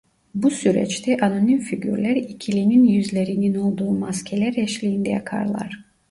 Bu süreçte anonim figürler ikilinin yüzlerinin olduğu maskeler eşliğinde akarlar.